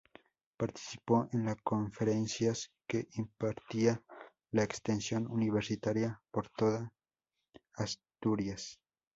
Participó en la conferencias que impartía la Extensión Universitaria por toda Asturias.